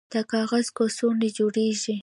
د کاغذ کڅوړې جوړیږي؟